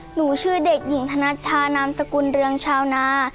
หนูชื่อเด็กหญิงธนัชชานามสกุลเรืองชาวนา